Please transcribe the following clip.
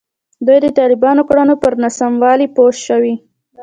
دوی د طالبانو کړنو پر ناسموالي پوه شوي.